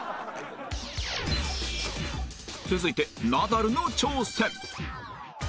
続いてナダルの挑戦